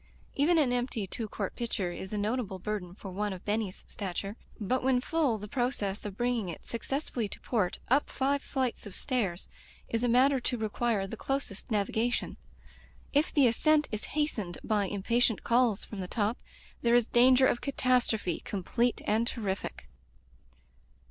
Even an empty two quart pitcher is a notable burden for one of Benny's stature, but when full the process of bringing it successfully to port, up five flights of stairs, is a matter to require the closest navigation. If the ascent is hastened by impatient calls from the top, there is danger of catastrophe, complete and terrific.